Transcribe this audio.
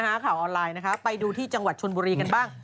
ข่าวออนไลน์นะคะไปดูที่จังหวัดชนบุรีกันบ้าง